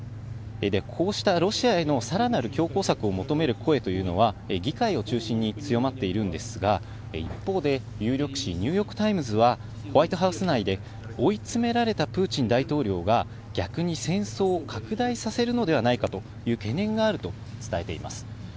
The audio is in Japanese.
こうしたロシアへのさらなる強硬策を求める声というのは、議会を中心に強まっているんですが、一方で、有力紙、ニューヨーク・タイムズは、ホワイトハウス内で追い詰められたプーチン大統領が、逆に戦争を拡大させるのではないかという懸念があると伝えています。